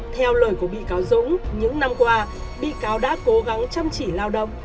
theo lời của bị cáo dũng những năm qua bị cáo đã cố gắng chăm chỉ lao động